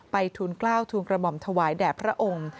ไปทุนกล้าวทุนกระบอมถวายแด่พระองค์